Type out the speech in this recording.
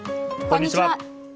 こんにちは。